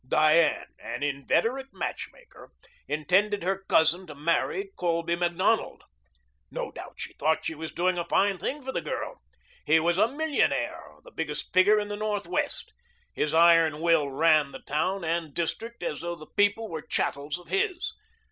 Diane, an inveterate matchmaker, intended her cousin to marry Colby Macdonald. No doubt she thought she was doing a fine thing for the girl. He was a millionaire, the biggest figure in the Northwest. His iron will ran the town and district as though the people were chattels of his.